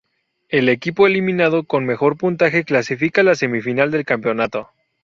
El equipo eliminado con mejor puntaje clasifica a la semifinal del campeonato.